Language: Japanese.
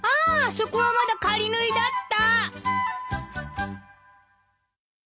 そこはまだ仮縫いだった！